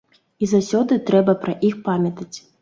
І заўсёды трэба пра іх памятаць.